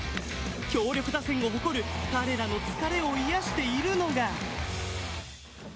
強力打線を誇る彼らの疲れを癒やしているのが。